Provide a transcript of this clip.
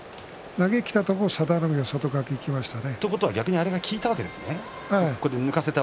投げがきたところで、佐田の海が外掛けにいきましたね。